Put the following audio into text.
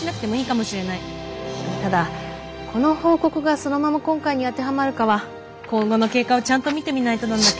ただこの報告がそのまま今回に当てはまるかは今後の経過をちゃんと見てみないとなんだけど。